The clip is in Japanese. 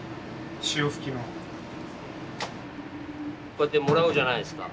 こうやってもらうじゃないですか。